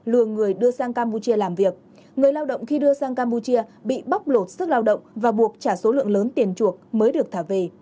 lừa người đưa sang campuchia làm việc người lao động khi đưa sang campuchia bị bóc lột sức lao động và buộc trả số lượng lớn tiền chuộc mới được thả về